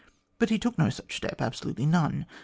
But he took no such step; absolutely none.